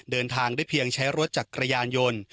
เดินทางได้เพียงใช้รถจักรยานยนต์